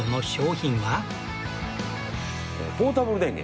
ポータブル電源。